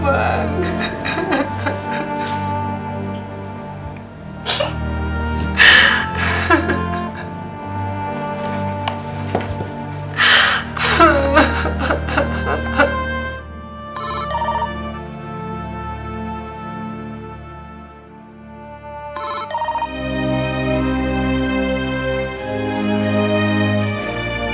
bener bener kayakmu kamar